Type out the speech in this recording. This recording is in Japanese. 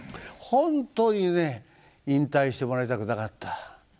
本当にね引退してもらいたくなかった。